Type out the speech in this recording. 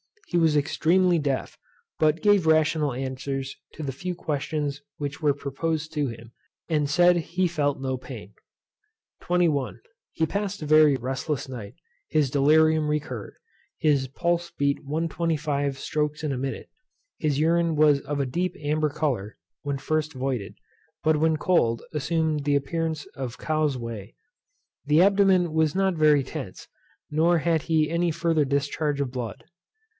He was extremely deaf; but gave rational answers to the few questions which were proposed to him; and said he felt no pain. 21. He passed a very restless night; his delirium recurred; his pulse beat 125 strokes in a minute; his urine was of a deep amber colour when first voided; but when cold assumed the appearance of cow's whey. The Abdomen was not very tense, nor had he any further discharge of blood.